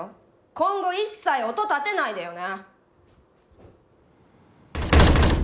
今後一切音立てないでよね！